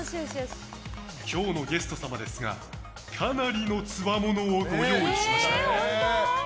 今日のゲスト様ですがかなりのつわものをご用意しました。